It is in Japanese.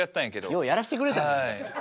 ようやらしてくれたね。